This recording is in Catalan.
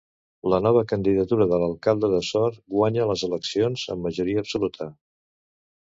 La nova candidatura de l'alcalde de Sort guanya les eleccions amb majoria absoluta.